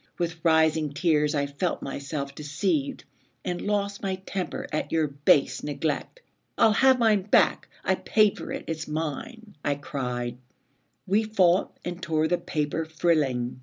With rising tears I felt myself deceived And lost my temper at your base neglect. " I'll have mine back I paid for it it's mine !" I cried. We fought and tore the paper frilling.